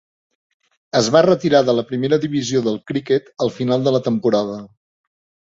Es va retirar de la primera divisió del criquet al final de la temporada.